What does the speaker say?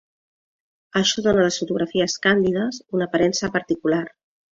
Això dóna a les fotografies càndides una aparença particular.